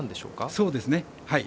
そうですね。